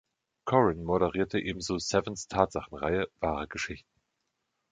Coren moderierte ebenso Sevens Tatsachenreihe „Wahre Geschichten".